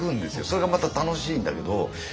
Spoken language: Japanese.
それがまた楽しいんだけど。